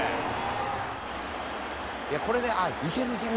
これでいけるいける！